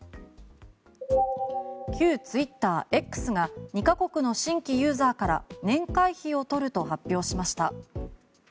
旧ツイッター、Ｘが２カ国の新規ユーザーから年会費を取ると発表しました。